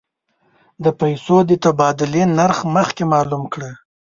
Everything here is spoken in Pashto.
د پیسو د تبادلې نرخ مخکې معلوم کړه.